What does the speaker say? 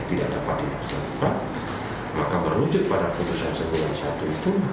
tidak dapat dilaksanakan maka berujuk pada putusan sembilan puluh satu itu